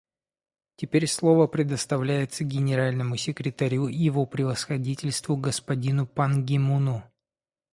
Теперь слово предоставляется Генеральному секретарю, Его Превосходительству господину Пан Ги Муну.